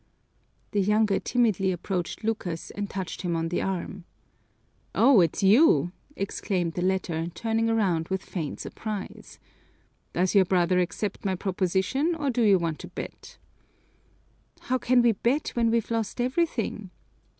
The younger timidly approached Lucas and touched him on the arm. "Oh, it's you!" exclaimed the latter, turning around with feigned surprise. "Does your brother accept my proposition or do you want to bet?" "How can we bet when we've lost everything?"